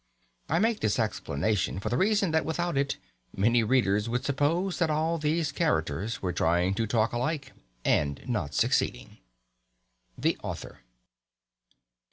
I make this explanation for the reason that without it many readers would suppose that all these characters were trying to talk alike and not succeeding. THE AUTHOR.